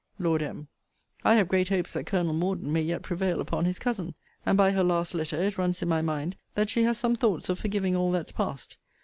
Lord M. I have great hopes that Col. Morden may yet prevail upon his cousin. And, by her last letter, it runs in my mind that she has some thoughts of forgiving all that's past.